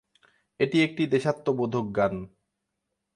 এটি একটি দেশাত্মবোধক গান।